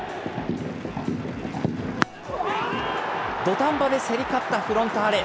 土壇場で競り勝ったフロンターレ。